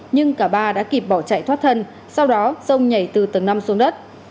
nhưng cả ba đã kịp bỏ chạy thoát thân sau đó rông nhảy từ tầng năm xuống đất